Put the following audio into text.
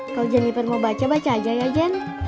kalau jennifer mau baca baca aja ya jen